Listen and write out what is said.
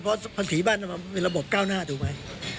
เพราะภาษีบ้านมันเป็นระบบก้าวหน้าถูกไหม